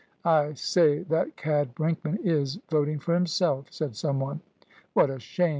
"I say, that cad Brinkman is voting for himself," said some one. "What a shame!